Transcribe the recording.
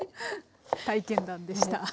体験談でした。